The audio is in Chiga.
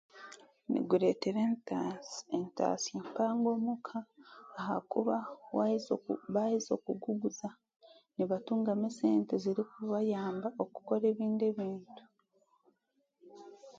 Niguretera entasya mpango omuka aha kuba baheza okuguguza nibatungamu esente zirikubayamba okukora ebindi ebintu.